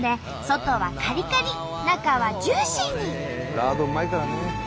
ラードうまいからね。